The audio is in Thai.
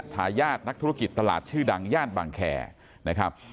ทายาทนักธุรกิจตลาดชื่อดังย่านบางแคร์นะครับ